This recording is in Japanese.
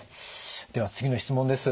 では次の質問です。